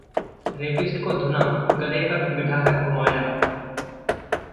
rapist को धूना, गधे पर बिठाकर घुमाया